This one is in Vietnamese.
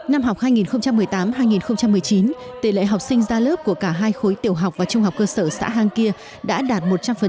năm học hai nghìn một mươi tám hai nghìn một mươi chín tỷ lệ học sinh ra lớp của cả hai khối tiểu học và trung học cơ sở xã hàng kia đã đạt một trăm linh